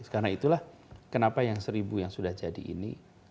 karena itulah kenapa yang seribu yang sudah jadi ini